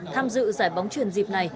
tham dự giải bóng truyền dịp này